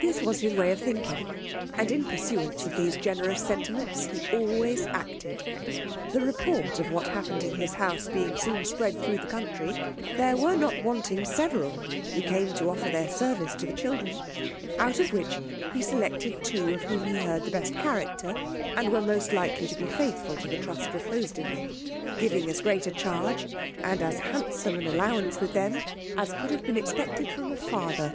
This was his way of thinking, and in pursuance of these generous sentiments he always acted. The report of what happened in his house being soon spread thro' the country, there were not wanting several who came to offer their service to the children, out of which he selected two of whom he heard the best character, and were most likely to be faithful to the trust reposed in them, giving as great a charge, and as handsome an allowance with them, as could have been expected from a father.